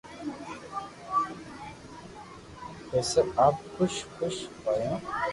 بسب آپ خوݾ ھوݾ ھونن